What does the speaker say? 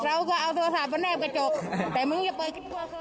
แต่มึงจะเปิดการนี้กว่าเคอร์วิท